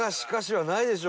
はないでしょ？